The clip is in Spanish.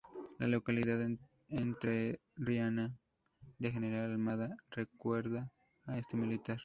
La localidad entrerriana de General Almada recuerda a este militar.